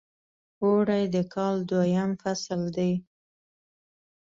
اوړی د کال دویم فصل دی .